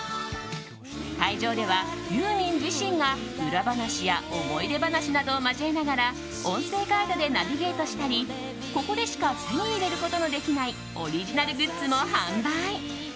会場では、ユーミン自身が裏話や思い出話などを交えながら音声ガイドでナビゲートしたりここでしか手に入れることのできないオリジナルグッズも販売。